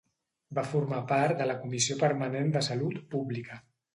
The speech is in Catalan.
Va formar part de la Comissió Permanent de Salut Pública.